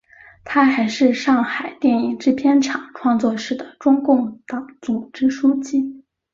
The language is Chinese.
她还是上海电影制片厂创作室的中共党总支书记。